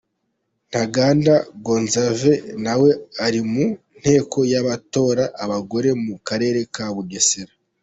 Ntaganda Gonzarve nawe uri mu nteko y’abatora abagore mu karere ka Bugesera.